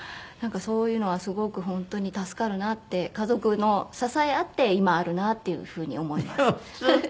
なんかそういうのはすごく本当に助かるなって家族の支えあって今あるなっていうふうに思います。